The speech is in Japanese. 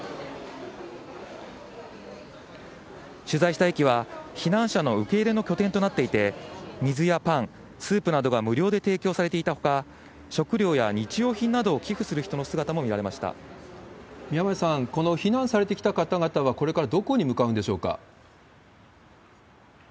取材した駅は避難者の受け入れの拠点となっていて、水やパン、スープなどが無料で提供されていたほか、食料や日用品などを寄付する人の姿も見られま宮前さん、この避難されてきた方々は、これからどこに向かうんでしょうか？